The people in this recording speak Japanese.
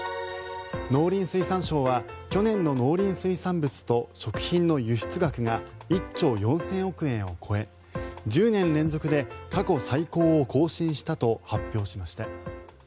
農林水産省は去年の農林水産物と食品の輸出額が１兆４０００億円を超え１０年連続で過去最高を更新したと発表しました。